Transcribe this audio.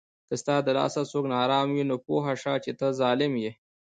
که ستا له لاسه څوک ناارام وي، نو پوه سه چې ته ظالم یې